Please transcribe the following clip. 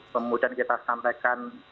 kemudian kita sampaikan